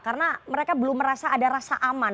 karena mereka belum merasa ada rasa aman